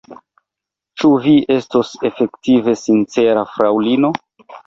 Ĉu vi estos efektive sincera, fraŭlino?